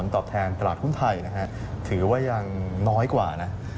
ตอบแทนตลาดหุ้นไทยนะฮะถือว่ายังน้อยกว่านะ